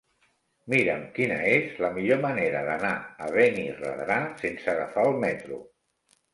Mira'm quina és la millor manera d'anar a Benirredrà sense agafar el metro.